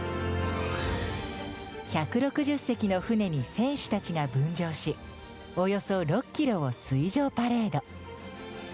１６０隻の船に選手たちが分乗しおよそ６ｋｍを水上パレード。